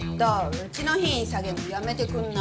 うちの品位下げるのやめてくんない？